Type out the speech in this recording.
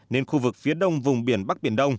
nên khu vực phía đông vùng biển bắc biển đông